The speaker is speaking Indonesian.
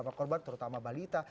seberapa korban terutama balita